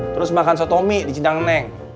terus makan soto mie di cingdang neng